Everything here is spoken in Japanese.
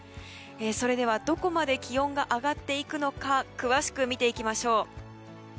それではどこまで気温が上がっていくのか詳しく見ていきましょう。